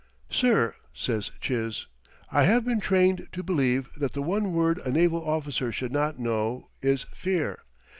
"'Sir,' says Chiz, 'I have been trained to believe that the one word a naval officer should not know is fear.